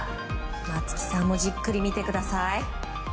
松木さんじっくり見てください。